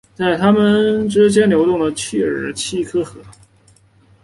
在他们之间流动的奇尔奇克河。